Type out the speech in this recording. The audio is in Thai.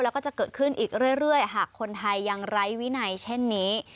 แล้วก็จะเกิดขึ้นอีกเรื่อยหากคนไทยยังไร้วินัยเช่นนี้